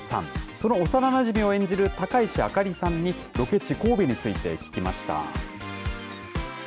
その幼なじみを演じる高石あかりさんにロケ地神戸について聞きました。